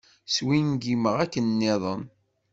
Swingimeɣ akken-nniḍen.